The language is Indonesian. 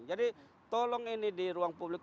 jadi tolong ini di ruang publik